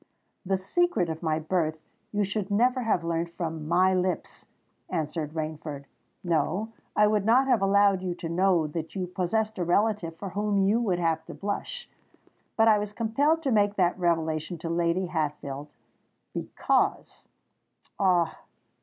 "The secret of my birth you should never have learnt from my lips," answered Rainford. "No—I would not have allowed you to know that you possessed a relative for whom you would have to blush. But I was compelled to make that revelation to Lady Hatfield—because——" "Ah!